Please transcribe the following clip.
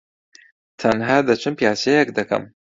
تەنھا دەچم پیاسەیەک دەکەم.